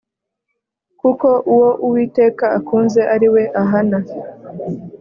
Kuko uwo Uwiteka akunze, ari we ahana,